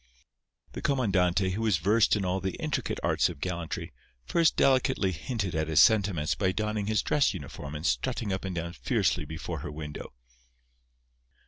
The comandante, who was versed in all the intricate arts of gallantry, first delicately hinted at his sentiments by donning his dress uniform and strutting up and down fiercely before her window.